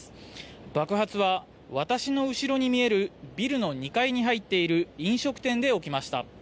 爆発は私の後ろに見えるビルの２階に入っている飲食店で起きました。